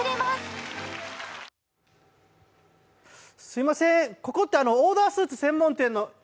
すいません、ここってオーダースーツ専門店の